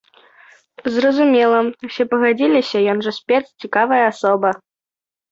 Зразумела, усе пагадзіліся, ён жа спец, цікавая асоба!